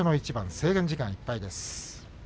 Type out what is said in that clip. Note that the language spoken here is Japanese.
制限時間いっぱいです。